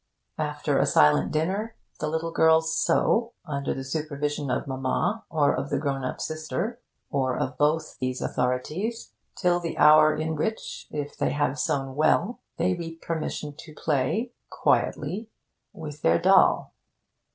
After a silent dinner, the little girls sew, under the supervision of Mamma, or of the grown up sister, or of both these authorities, till the hour in which (if they have sewn well) they reap permission to play (quietly) with their doll.